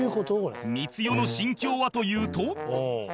光代の心境はというと